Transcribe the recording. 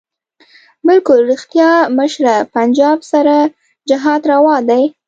بلکل ريښتيا مشره پنجاب سره جهاد رواح دی